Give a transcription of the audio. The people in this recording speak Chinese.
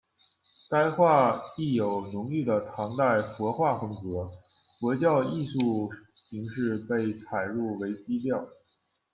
但该画亦有浓郁的唐代佛画风格，佛教艺术型式被采入为基调。